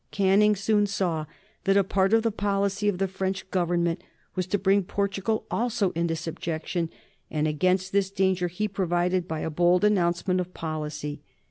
Canning soon saw that a part of the policy of the French Government was to bring Portugal also into subjection, and against this danger he provided by a bold announcement of policy.